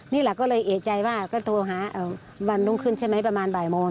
นี่แหละก็เลยเอกใจว่าก็โทรหาวันรุ่งขึ้นใช่ไหมประมาณบ่ายโมง